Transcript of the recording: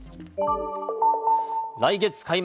来月開幕！